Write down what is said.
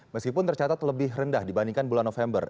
meskipun tercatat lebih rendah dibandingkan bulan november